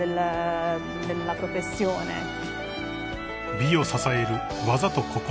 ［美を支える技と心］